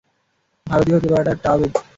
ভারতীয় হতে পারাটা একটা আবেগ।